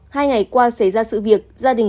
hai ngày qua xảy ra sự việc gia đình ra đường